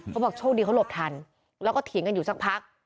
เขาบอกโชคดีเขาหลบทันแล้วก็เถียงกันอยู่สักพัก